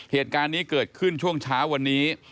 เหตุการณ์นี้เกิดขึ้นช่วงเช้าวันนี้